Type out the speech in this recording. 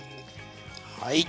はい。